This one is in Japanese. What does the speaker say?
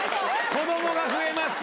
子供が増えました。